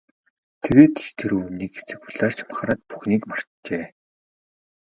Тэгээд ч тэр үү, нэг хэсэг улайрч махраад бүхнийг мартжээ.